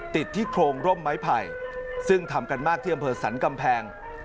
ติดที่โครงร่มไม้ไผ่ซึ่งทำกันมากที่อำเภอสรรกำแพง